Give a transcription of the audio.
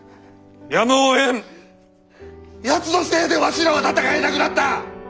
やつのせいでわしらは戦えなくなった！